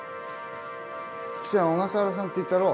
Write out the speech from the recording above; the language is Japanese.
フクちゃん小笠原さんっていたろ